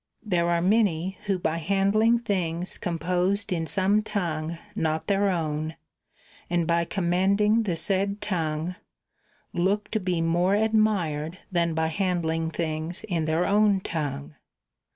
There are many who by handling things composed in some tongue not their own, and by commending the said tongue, look to be more admired than by handling things in their own tongue.